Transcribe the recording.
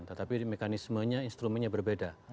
tetapi mekanismenya instrumennya berbeda